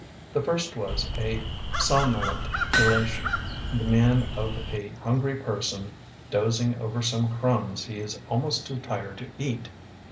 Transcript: The first was a somno lent elation — the mien of a hungry person dozing over some crumbs he is almost too tired to eat.